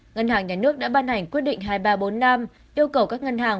ngân hàng nhà nước đã ban hành quyết định hai nghìn ba trăm bốn mươi năm yêu cầu các ngân hàng